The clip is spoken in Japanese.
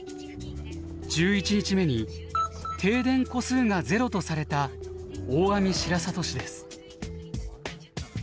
１１日目に停電戸数がゼロとされた大網白里市です。